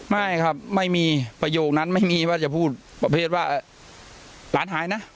ไม่ครับไม่มีประโยคนั้นไม่มีว่าจะพูดประเภทว่าหลานหายนะ